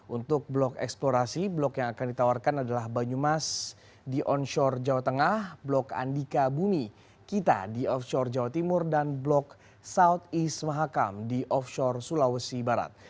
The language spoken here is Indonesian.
untuk blok eksplorasi blok yang akan ditawarkan adalah banyumas di onshore jawa tengah blok andika bumi kita di offshore jawa timur dan blok southeast mahakam di offshore sulawesi barat